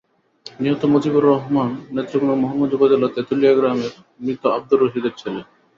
নিহত মজিবুর রহমান নেত্রকোনার মোহনগঞ্জ উপজেলার তেঁতুলিয়া গ্রামের মৃত আবদুর রশিদের ছেলে।